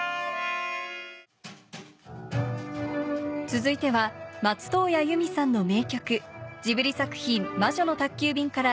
続いては松任谷由実さんの名曲ジブリ作品『魔女の宅急便』から